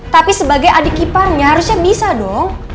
tapi sebagai adik iparnya harusnya bisa dong